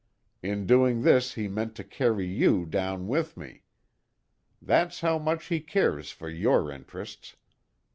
In doing this he meant to carry you down with me. That's how much he cares for your interests."